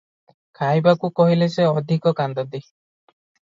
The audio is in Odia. ଖାଇବାକୁ କହିଲେ ସେ ଅଧିକ କାନ୍ଦନ୍ତି ।